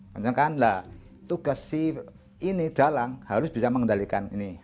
tentangkan tugas ini dalang harus bisa mengendalikan ini